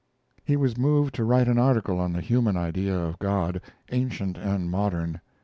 He was moved to write an article on the human idea of God, ancient and modern.